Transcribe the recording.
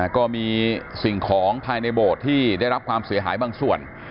ก็มีสิ่งของภายในโบสถ์ที่ได้รับความเสียหายบางส่วน